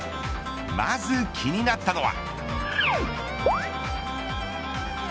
まず気になったのは。